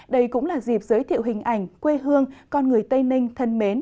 đây cũng là dịp giới thiệu hình ảnh quê hương con người tây ninh thân mến